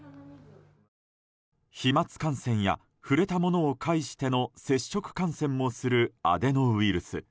飛沫感染や触れたものを介しての接触感染もするアデノウイルス。